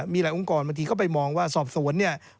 มีหลายองค์กรบางทีเข้าไปมองว่าสอบสวนเนี่ย